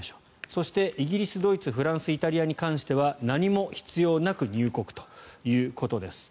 そして、イギリス、ドイツフランス、イタリアに関しては何も必要なく入国ということです。